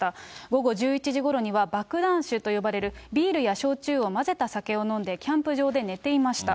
午後１１時ごろには、爆弾酒と呼ばれるビールや焼酎を混ぜた酒を飲んで、キャンプ場で寝ていました。